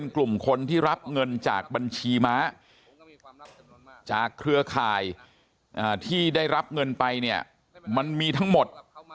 เครือข่ายที่ได้รับเงินไปเนี่ยมันมีทั้งหมด